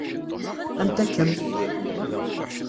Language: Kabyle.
Anta kemm?